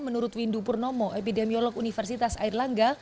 menurut windu purnomo epidemiolog universitas air langga